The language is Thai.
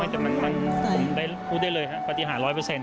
ไม่แต่มันผมได้พูดได้เลยครับปฏิหาร๑๐๐ครับ